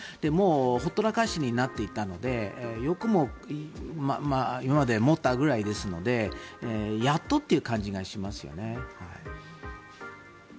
ほったらかしになっていたのでよく今まで持ったぐらいですのでやっとという感じがしますよね。